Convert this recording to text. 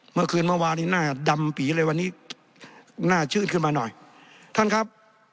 เมื่อวานนี้หน้าดำปีเลยวันนี้หน้าชื่นขึ้นมาหน่อยท่านครับ